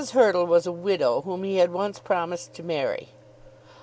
Hurtle was a widow whom he had once promised to marry.